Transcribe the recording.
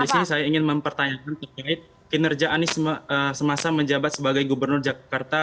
disini saya ingin mempertanyakan terkait kinerja anies semasa menjabat sebagai gubernur jakarta dua ribu tujuh belas dua ribu dua puluh dua